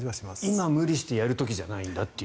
今無理してやる時じゃないんだという。